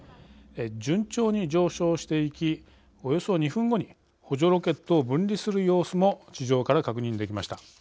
順調に上昇していきおよそ２分後に補助ロケットを分離する様子も地上から確認できました。